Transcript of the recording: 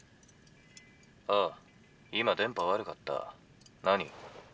「あ今電波悪かった。何？」。